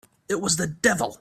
It was the devil!